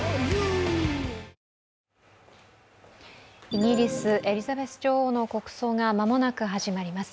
イギリス・エリザベス女王の国葬が間もなく始まります。